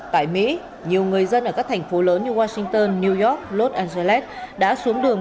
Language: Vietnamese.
tại mỹ nhiều người dân ở các thành phố lớn như washington new york los angeles đã xuống đường